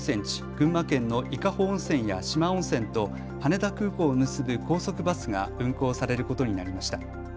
群馬県の伊香保温泉や四万温泉と羽田空港を結ぶ高速バスが運行されることになりました。